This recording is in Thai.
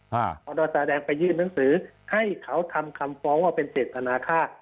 หนัวศาลแดงไปยืนหนังสือให้เขาทำคำฟ้องว่าเป็นเสร็จตณค่า